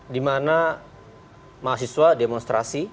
dimana mahasiswa demonstrasi